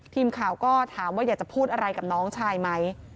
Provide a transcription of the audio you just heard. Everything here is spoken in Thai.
ทีมข่าวก็ถามว่าอยากจะพูดอะไรกับน้องชายไหม